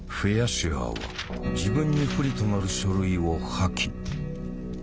シュアーは自分に不利となる書類を破棄。